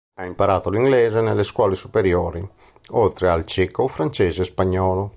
Ha imparato l'inglese nelle scuole superiori oltre al ceco, francese e spagnolo.